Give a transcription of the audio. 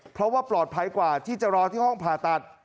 เพราะว่าปลอดภัยกว่าที่จะรอที่ห้องผ่าตัด